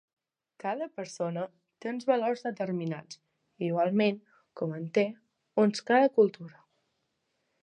Cada persona té uns valors determinats, igualment com en té uns cada cultura.